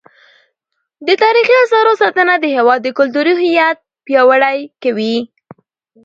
د تاریخي اثارو ساتنه د هیواد کلتوري هویت پیاوړی کوي.